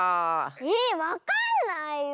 えわかんないよ。